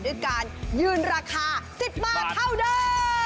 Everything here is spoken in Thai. ด้วยการยืนราคา๑๐บาทเท่าเดิม